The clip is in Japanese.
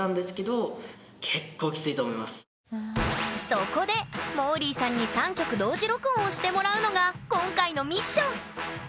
そこでもーりーさんに３曲同時録音をしてもらうのが今回のミッション。